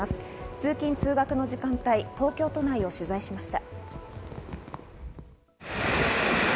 通勤・通学の時間帯、東京都内を取材しました。